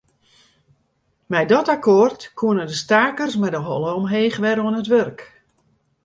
Mei dit akkoart koenen de stakers mei de holle omheech wer oan it wurk.